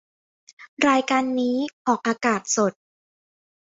รายการนี้ออกอากาศสด